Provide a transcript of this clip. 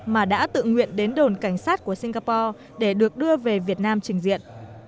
mà đã tự nguyện đến đồn cảnh sát của singapore để được đưa về việt nam trình diện